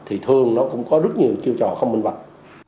thì thường nó cũng có rất nhiều chiêu trò không minh bạch